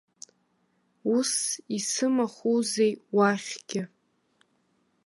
Усс исымахузеи уахьгьы!